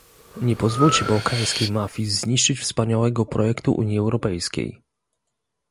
Nie pozwólcie bałkańskiej mafii zniszczyć wspaniałego projektu Unii Europejskiej